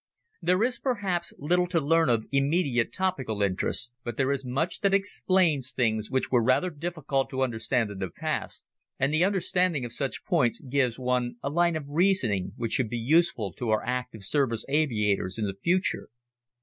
There is, perhaps, little to learn of immediate topical interest, but there is much that explains things which were rather difficult to understand in the past, and the understanding of such points gives one a line of reasoning which should be useful to our active service aviators in the future.